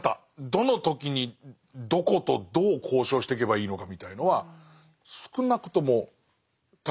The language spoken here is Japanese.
どの時にどことどう交渉していけばいいのかみたいのは少なくとも尊氏は結果出してますもんね。